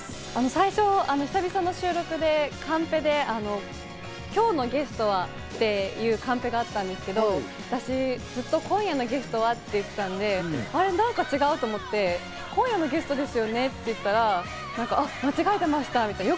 最初久々の収録で、カンペで「今日のゲストは」っていうカンペがあったんですけど、私ずっと「今夜のゲストは」って言ってたので、あれ何か違う？と思って、「今夜ゲストですよね？」って言ったら、あっ、間違えてましたみたいな。